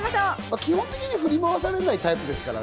基本的には振り回されないタイプですからね。